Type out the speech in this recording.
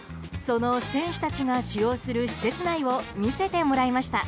その選手たちが使用する施設内を見せてもらいました。